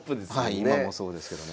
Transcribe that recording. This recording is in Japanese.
はい今もそうですけどね。